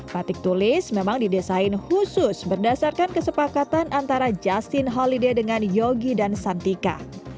batik tulis memang didesain khusus berdasarkan kesepakatan antara justin holiday dengan yogi dan santika